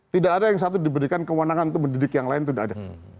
tidak ada yang satu diberikan kewenangan untuk mendidik yang lain tidak ada